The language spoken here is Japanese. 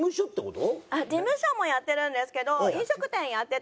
事務所もやってるんですけど飲食店やってたりとか。